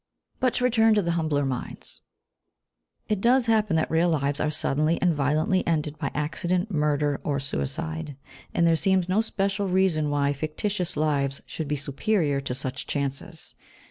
But to return to the humbler minds. It does happen that real lives are suddenly and violently ended by accident, murder, or suicide, and there seems no special reason why fictitious lives should be superior to such chances.